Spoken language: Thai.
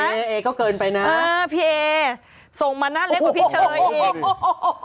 อะไรนะว่าพิไพสงมาหน้าเล่อกับพี่เชอยอีกฮูโฮโฮ